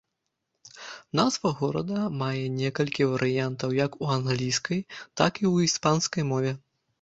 Назва горада мае некалькі варыянтаў як у англійскай, так і ў іспанскай мове.